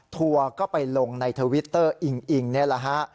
ทัวร์ก็ไปลงในทวิตเตอร์อิงอิงนี่แหละฮะ